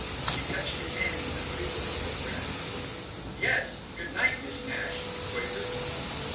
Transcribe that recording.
She touched his hand in the fleetingest of grasps. "Yes. Good night, Miss Nash," he quavered.